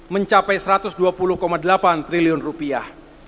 mencapai satu ratus dua puluh delapan triliun rupiah